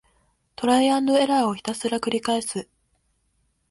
トライアンドエラーをひたすらくりかえす